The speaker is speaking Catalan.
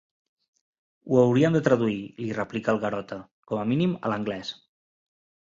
Ho hauríem de traduir —li replica el Garota—, com a mínim a l'anglès.